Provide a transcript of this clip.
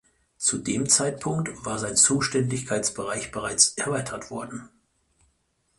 Zu dem Zeitpunkt war sein Zuständigkeitsbereich bereits erweitert worden.